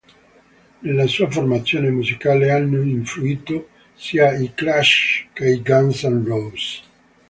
Nella sua formazione musicale hanno influito sia i Clash che i Guns N' Roses.